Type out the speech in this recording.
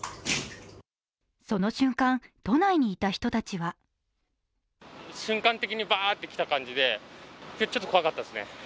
その瞬間、都内にいた人たちは瞬間的にばーっと来た感じでちょっと怖かったですね。